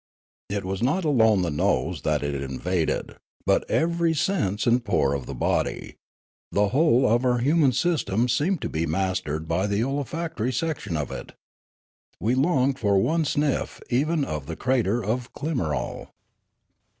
It was not alone 16 242 Riallaro the nose that it invaded, but every sense and pore of the body ; the whole of our human system seemed to be mastered by the olfactory section of it. We longed for one sniff even of the crater of Klimarol.